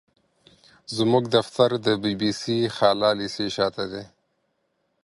زموږ دفتر د بي بي خالا ليسي شاته دي.